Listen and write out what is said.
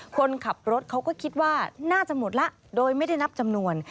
คนขับรถเขาก็คิดว่าน่าจะหมดแล้วโดยไม่ได้นับจำนวน